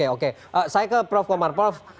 oke saya ke prof komar prof